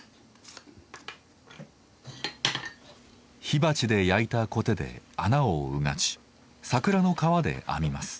火鉢で焼いたコテで穴をうがち桜の皮で編みます。